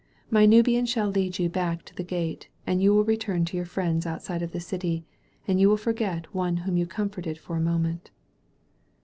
My Nubian shall lead you back to the gate, and you will return to your friends outside of the dty, and you will forget one whom you com forted for a moment."